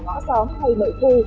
ngõ xóm hay nội khu